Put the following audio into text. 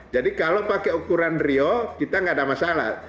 jadi kalau pakai ukuran rio kita tidak ada masalah